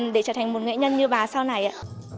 để trở thành một nghệ nhân như bà sau này ạ